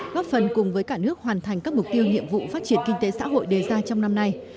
góp phần cùng với cả nước hoàn thành các mục tiêu nhiệm vụ phát triển kinh tế xã hội đề ra trong năm nay